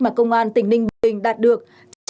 mà công an tỉnh ninh bình đã đạt